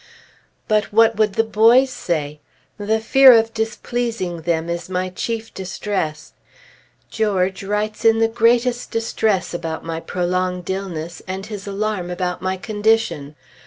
But what would the boys say? The fear of displeasing them is my chief distress. George writes in the greatest distress about my prolonged illness, and his alarm about my condition.